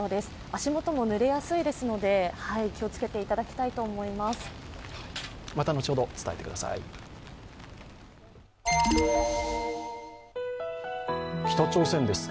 足元も濡れやすいですので気をつけていただきたいと思います。